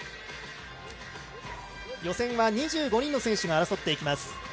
予選は２５人の選手が争っていきます。